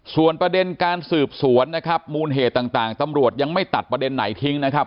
ส่วนประเด็นการสืบสวนนะครับมูลเหตุต่างตำรวจยังไม่ตัดประเด็นไหนทิ้งนะครับ